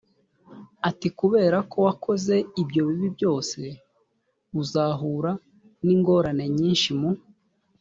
ati kubera ko wakoze ibyo bibi byose uzahura n ingorane nyinshi mu